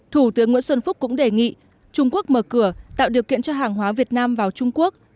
thủ tướng nguyễn xuân phúc cũng đề nghị trung quốc mở cửa tạo điều kiện cho hàng hóa việt nam vào trung quốc